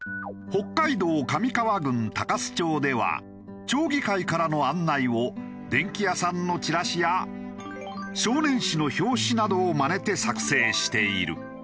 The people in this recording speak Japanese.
北海道上川郡鷹栖町では町議会からの案内を電器屋さんのチラシや少年誌の表紙などをまねて作成している。